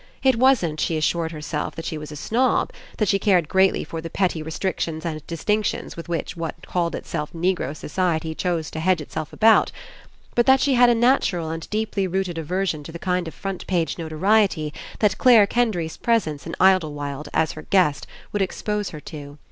It wasn't she assured herself, that she was a snob, that she cared greatly for the petty restrictions and distinctions with which what called Itself Negro society chose to hedge It self about; but that she had a natural and deeply rooted aversion to the kind of front page notoriety that Clare Kendry's presence In Idlewlld, as her guest, would expose her to.